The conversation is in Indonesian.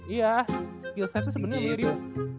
iya skill setnya sebenernya